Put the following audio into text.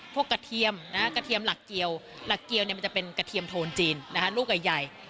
พวกกระเทียมนะครับกระเทียมหลักเกียวหลักเกียวเนี่ยมันจะเป็นกระเทียมโทนจีนนะคะลูกใหญ่